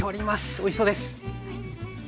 おいしそうです！